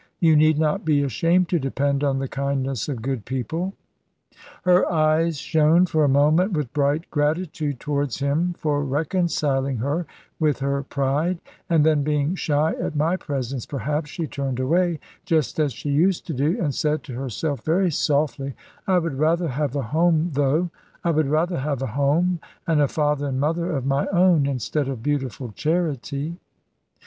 You need not be ashamed to depend on the kindness of good people." Her eyes shone, for a moment, with bright gratitude towards him for reconciling her with her pride; and then being shy at my presence perhaps, she turned away, just as she used to do, and said to herself very softly "I would rather have a home though I would rather have a home, and a father and mother of my own, instead of beautiful charity."